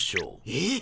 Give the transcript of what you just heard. えっ？